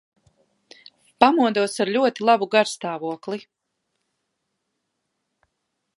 Pamodos ar ļoti labu garastāvokli.